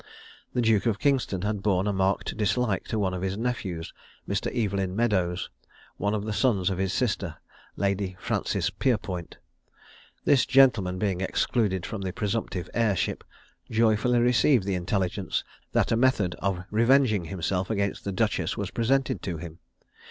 The Duke of Kingston had borne a marked dislike to one of his nephews, Mr. Evelyn Meadows, one of the sons of his sister, Lady Frances Pierpoint. This gentleman being excluded from the presumptive heirship, joyfully received the intelligence that a method of revenging himself against the duchess was presented to him.